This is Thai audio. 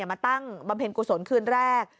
มาตั้งบำเพ็ญกุศลคืนแรก